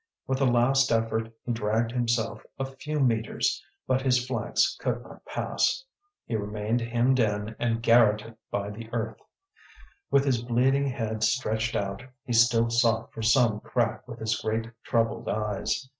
With a last effort, he dragged himself a few metres, but his flanks could not pass; he remained hemmed in and garrotted by the earth. With his bleeding head stretched out, he still sought for some crack with his great troubled eyes.